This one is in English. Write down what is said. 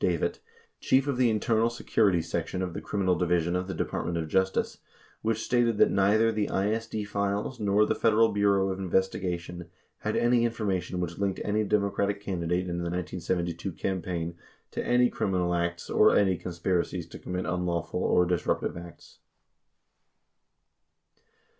Davitt, Chief of the Internal Security Section of the Criminal Division of the Department of Justice which stated that neither the ISD files nor the Federal Bureau of Investiga tion had any information which linked any Democratic candidate in the 1972 campaign to any criminal acts or any conspiracies to commit unlawful or disruptive acts.